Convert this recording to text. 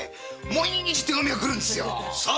毎日手紙が来るんですよ。